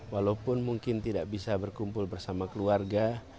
walaupun mungkin tidak bisa berkumpul bersama keluarga